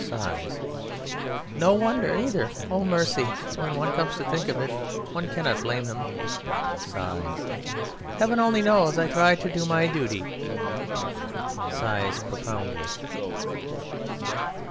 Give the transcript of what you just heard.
No wonder, either! Oh! Mercy! When one comes to think of it, One cannot blame them. Heaven only knows I try to do my duty! (_Sighs profoundly.